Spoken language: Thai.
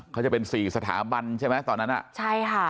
เขาจะเป็นสี่สถาบันใช่ไหมตอนนั้นอ่ะใช่ค่ะ